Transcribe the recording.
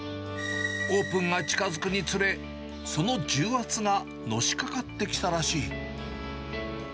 オープンが近づくにつれ、その重圧がのしかかってきたらしい。